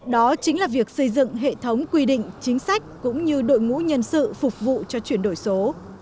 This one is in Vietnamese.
đó chính là việc xây dựng hệ thống quy định chính sách cũng như đội ngũ nhân sự phục vụ cho chuyển đổi số